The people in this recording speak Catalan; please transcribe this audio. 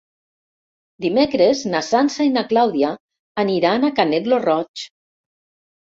Dimecres na Sança i na Clàudia aniran a Canet lo Roig.